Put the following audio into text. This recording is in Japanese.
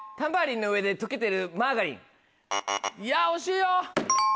いや惜しいよ。